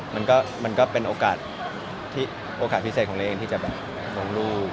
มันก็มันก็เป็นโอกาสที่โอกาสพิเศษของเราเองที่จะแบบหวงลูก